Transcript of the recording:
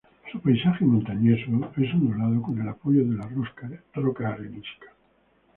Su paisaje montañoso es ondulado con el apoyo de la roca arenisca.